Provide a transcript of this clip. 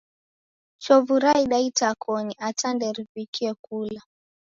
Chovu raida itakoni ata nderivikie kula